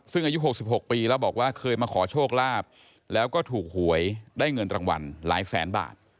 ซึ่งอายุ๖๖ปีแล้วบอกว่าเคยมาขอโชคลาภแล้วก็ถูกหวยได้เงินรางวัลหลายแสนบาท